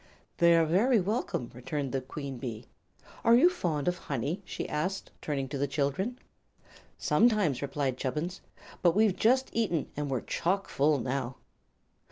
"They are very welcome," returned the Queen Bee. "Are you fond of honey?" she asked, turning to the children. "Sometimes," replied Chubbins; "but we've just eaten, and we're chock full now."